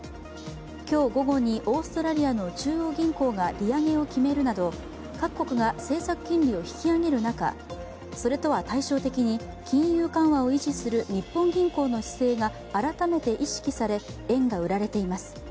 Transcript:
今日午後にオーストラリアの中央銀行が利上げを決めるなど各国が、政策金利を引き上げる中それとは対照的に金融緩和を維持する日本銀行の姿勢が改めて意識され円が売られています。